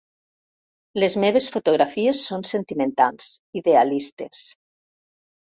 Les meves fotografies són sentimentals, idealistes.